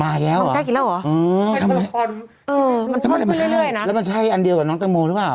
มาแล้วอ่ะเออทำไมเออมันพ่นขึ้นเรื่อยนะแล้วมันใช่อันเดียวกับน้องตังโมหรือเปล่า